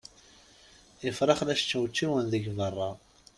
Ifrax la ččewčiwen deg berra.